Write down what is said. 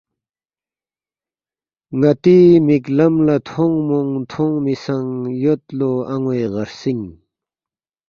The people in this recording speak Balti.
ناتی مک لم لا تھونگمونگ تھونگمی سنگ یود لو اَنوے غرژینگ